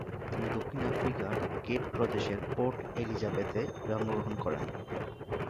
তিনি দক্ষিণ আফ্রিকার কেপ প্রদেশের পোর্ট এলিজাবেথে জন্মগ্রহণ করেন।